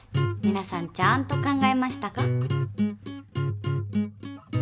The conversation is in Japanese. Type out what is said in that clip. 皆さんちゃんと考えましたか？